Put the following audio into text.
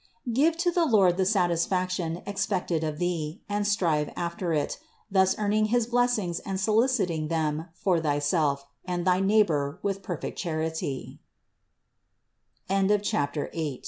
Give to the Lord the satisfaction expected of thee, and strive after it, thus earning his blessings and soliciting them for thyself and thy neighbor with perfect chari